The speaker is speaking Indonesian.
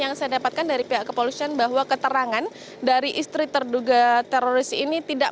yang saya dapatkan dari pihak kepolisian bahwa keterangan dari istri terduga teroris ini tidak